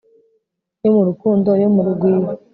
yo mu rukundo yo mu rugwiro